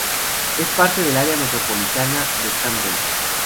Es parte del área metropolitana de Camden.